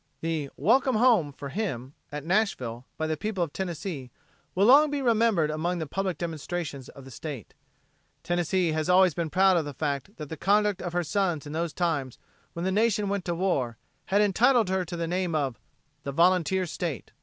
The "Welcome Home" for him, at Nashville, by the people of Tennessee, will long be remembered among the public demonstrations of the State. Tennessee has always been proud of the fact that the conduct of her sons in those times when the nation went to war had entitled her to the name of "The Volunteer State."